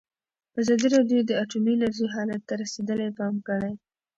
ازادي راډیو د اټومي انرژي حالت ته رسېدلي پام کړی.